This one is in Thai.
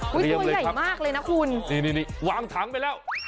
ตัวใหญ่มากเลยนะคุณนี่นี่วางถังไปแล้ว